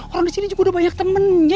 orang disini juga udah banyak temennya